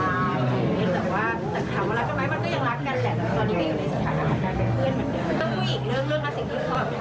แต่ทุกอย่างก็